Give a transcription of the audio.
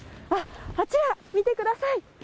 あちら、見てください。